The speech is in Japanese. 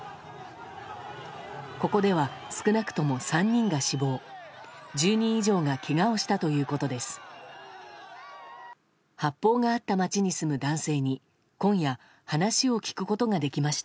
ここでは少なくとも３人が死亡１０人以上がけがをしたということです。